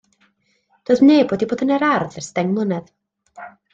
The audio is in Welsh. Doedd neb wedi bod yn yr ardd ers deng mlynedd.